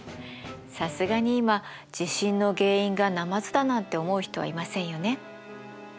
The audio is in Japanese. さすがに今地震の原因がナマズだなんて思う人はいませんよね。